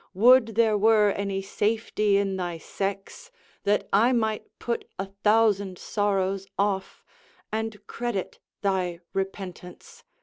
Would there were any safety in thy sex, That I might put a thousand sorrows off, And credit thy repentance!